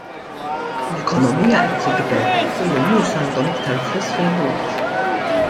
L-ekonomija qed tikber u n-nies għandhom iktar flus fil-but.